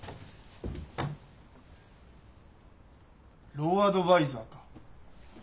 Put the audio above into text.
ローアドバイザーか？